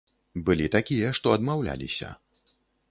Былі такія, што адмаўляліся.